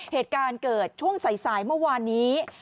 เหตุการณ์เกิดช่วงสายเมื่อวานนี้